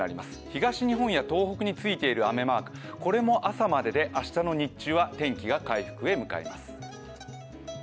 東日本や東北についている雨マーク、これも朝までで明日の日中は天気が回復へ向かいます。